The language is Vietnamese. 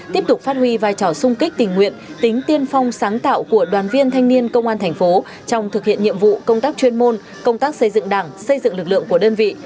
tiếp tục phát huy vai trò sung kích tình nguyện tính tiên phong sáng tạo của đoàn viên thanh niên công an thành phố trong thực hiện nhiệm vụ công tác chuyên môn công tác xây dựng đảng xây dựng lực lượng của đơn vị